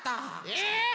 えっ！